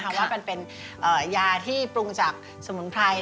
ว่าเป็นยาที่ปรุงจากสมุนไพร